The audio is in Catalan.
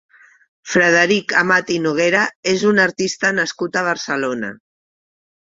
Frederic Amat i Noguera és un artista nascut a Barcelona.